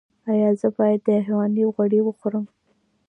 ایا زه باید د حیواني غوړي وخورم؟